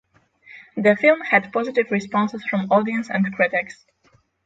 The film had positive responses from audience and critics.